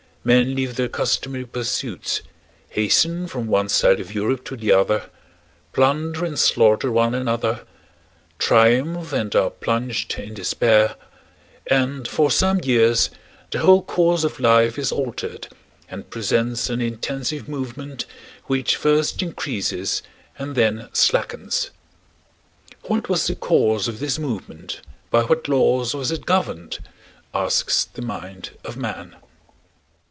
Men leave their customary pursuits, hasten from one side of Europe to the other, plunder and slaughter one another, triumph and are plunged in despair, and for some years the whole course of life is altered and presents an intensive movement which first increases and then slackens. What was the cause of this movement, by what laws was it governed? asks the mind of man.